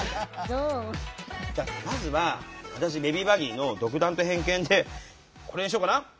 まずは私ベビー・バギーの独断と偏見でこれにしようかな？